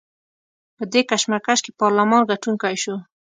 په دې کشمکش کې پارلمان ګټونکی شو.